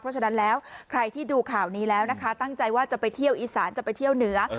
เพราะฉะนั้นแล้วใครที่ดูข่าวนี้แล้วนะคะตั้งใจว่าจะไปเที่ยวอีสานจะไปเที่ยวเหนือ